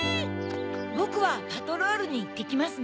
ぼくはパトロールにいってきますね。